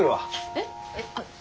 えっ？